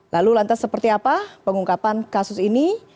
lalu lantas seperti apa pengungkapan kasus ini